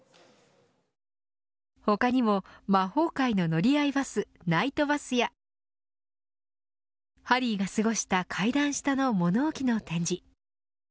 他にも、魔法界の乗り合いバスナイト・バスやハリーが過ごした階段下の物置の展示。